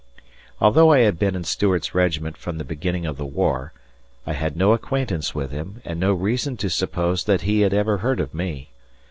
Although I had been in Stuart's regiment from the beginning of the war, I had no acquaintance with him and no reason to suppose that he had ever heard of me.